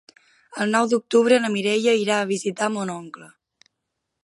El nou d'octubre na Mireia irà a visitar mon oncle.